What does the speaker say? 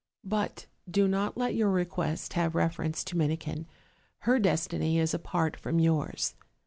But do not let your request have reference to Minikin: her destiny is apart from yours.